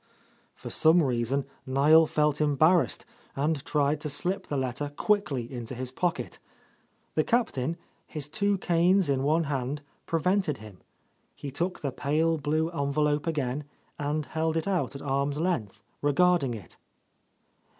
For some reason Niel felt embarrassed and tried to slip the letter quickly into his pocket. The Captain, his two canes in one hand, prevented him. He took the pale blue envelope again, and held it out at arm's length, regarding it.